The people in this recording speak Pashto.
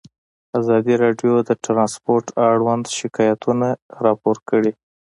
ازادي راډیو د ترانسپورټ اړوند شکایتونه راپور کړي.